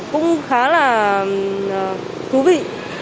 cũng khá là thú vị